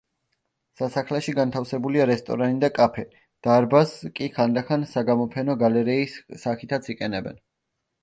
სასახლეში განთავსებულია რესტორანი და კაფე; დარბაზს კი ხანდახან საგამოფენო გალერეის სახითაც იყენებენ.